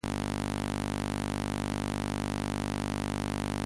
Luz crepuscular.